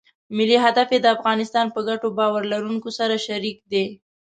ملي هدف یې د افغانستان په ګټو باور لرونکو سره شریک دی.